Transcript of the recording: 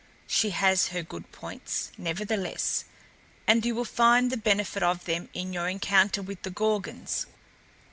She has her good points, nevertheless; and you will find the benefit of them in your encounter with the Gorgons."